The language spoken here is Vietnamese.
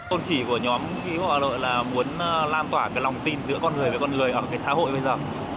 tôn trị của nhóm cứu hộ hà nội là muốn lan tỏa cái lòng tin giữa con người với con người ở cái xã hội bây giờ